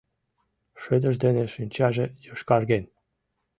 Шыдыж дене шинчаже йошкарген.